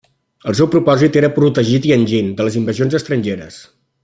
El seu propòsit era protegir Tianjin de les invasions estrangeres.